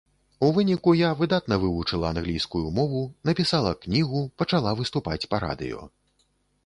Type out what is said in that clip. У выніку я выдатна вывучыла англійскую мову, напісала кнігу, пачала выступаць па радыё.